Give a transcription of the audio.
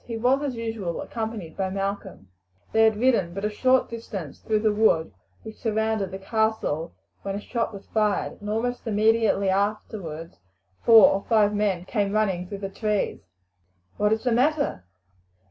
He was, as usual, accompanied by Malcolm. They had ridden but a short distance through the wood which surrounded the castle when a shot was fired, and almost immediately afterwards four or five men came running through the trees. "What is the matter?"